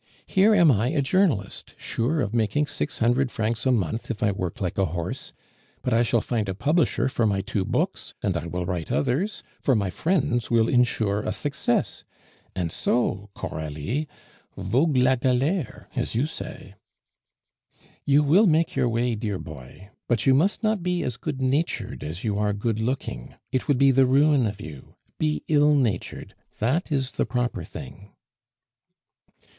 Here am I a journalist, sure of making six hundred francs a month if I work like a horse. But I shall find a publisher for my two books, and I will write others; for my friends will insure a success. And so, Coralie, 'vogue le galere!' as you say." "You will make your way, dear boy; but you must not be as good natured as you are good looking; it would be the ruin of you. Be ill natured, that is the proper thing."